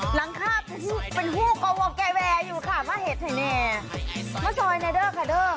หลังค่ะเป็นเป็นผู้กัววงแกว่อยู่ค่ะมาเห็นไหนแน่มาซอยไหนเด้อค่ะเด้อ